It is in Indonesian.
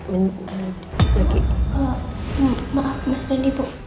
maaf mas dendi bu